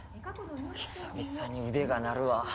久々に腕が鳴るわ。